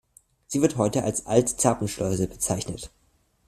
Sie wird heute als Alt-Zerpenschleuse bezeichnet.